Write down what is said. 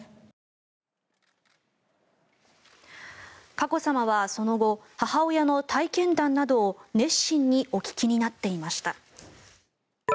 佳子さまはその後母親の体験談などを熱心にお聞きになっていました。